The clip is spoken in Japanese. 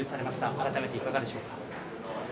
改めて、いかがでしょうか。